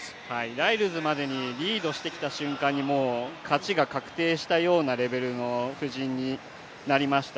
ライルズまでにリードしてきた瞬間に勝ちが確定しているようなレベルの布陣になりました。